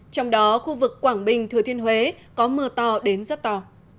trong đó khu vực quảng bình thừa thiên huế có mưa to đến rất to